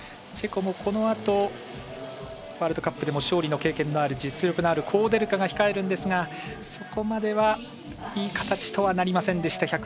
チェコも、このあとワールドカップでも勝利の経験がある実力のあるコウデルカが控えるんですが、そこまではいい形とはなりませんでした。